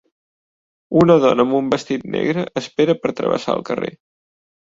Una dona amb un vestit negre espera per travessar el carrer.